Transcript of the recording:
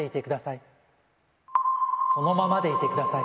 そのままでいてください。